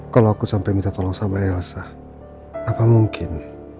kalau aku sampai minta tolong sama elsa apa mungkin